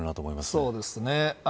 そうですね。